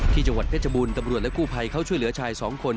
ที่จังหวัดเทชบุลตำรวจและกู้ภัยเขาช่วยเหลือชาย๒คน